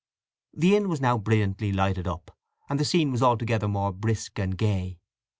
The inn was now brilliantly lighted up, and the scene was altogether more brisk and gay.